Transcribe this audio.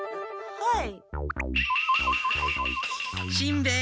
はい。